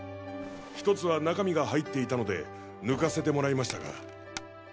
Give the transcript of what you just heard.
１つは中身が入っていたので抜かせてもらいましたが。